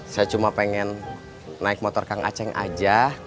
saya cuma pengen naik motor kang aceng aja